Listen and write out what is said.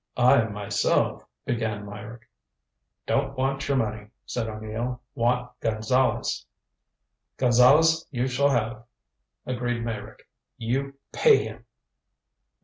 "I myself " began Meyrick. "Don't want your money," said O'Neill. "Want Gonzale's." "Gonzale's you shall have," agreed Meyrick. "You pay him!"